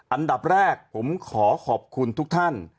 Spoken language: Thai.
อันดับแรกผมขอขอบคุณทุกท่าน